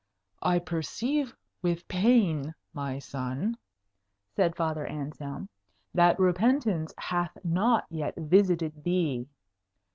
"I perceive with pain, my son," said Father Anselm, "that repentance hath not yet visited thee.